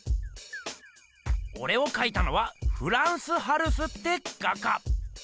オレをかいたのはフランス・ハルスって画家。